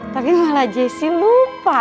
tapi malah jessy lupa